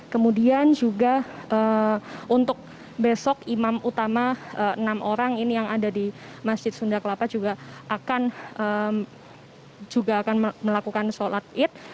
kemudian juga untuk besok imam utama enam orang ini yang ada di masjid sunda kelapa juga akan juga akan melakukan sholat id